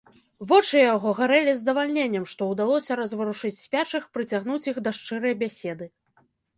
Вочы яго гарэлі здавальненнем, што ўдалося разварушыць спячых, прыцягнуць іх да шчырай бяседы.